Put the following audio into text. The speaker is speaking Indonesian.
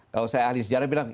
tahu saya ahli sejarah bilang